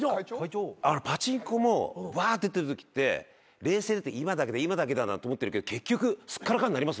パチンコもワーッて打ってるときって冷静になって今だけだ今だけだなんて思ってるけど結局すっからかんになります。